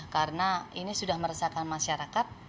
karena ini sudah meresahkan masyarakat